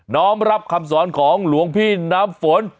้อมรับคำสอนของหลวงพี่น้ำฝน